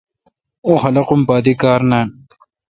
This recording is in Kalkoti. اوں خلقم پا دی کار نان۔